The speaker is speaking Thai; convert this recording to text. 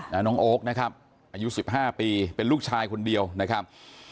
น้องโอ๊คนะครับอายุสิบห้าปีเป็นลูกชายคนเดียวนะครับ